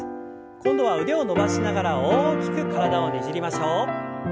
今度は腕を伸ばしながら大きく体をねじりましょう。